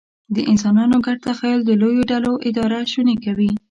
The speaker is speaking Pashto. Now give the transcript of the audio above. د انسانانو ګډ تخیل د لویو ډلو اداره شونې کوي.